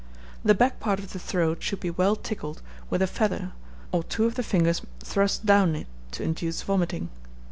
The back part of the throat should be well tickled with a feather, or two of the fingers thrust down it, to induce vomiting.